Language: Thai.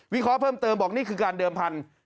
เคราะห์เพิ่มเติมบอกนี่คือการเดิมพันธุ์